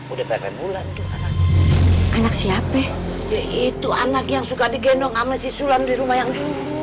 udah perempuan tuh anak siapa itu anak yang suka digendong amat sisulan di rumah yang dulu